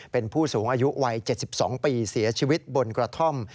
เป็นผู้สูงอายุวัย๗๒ปีเสียชีวิตบนกระท่อม